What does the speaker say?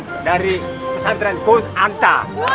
pistasan dari pesantren kunanta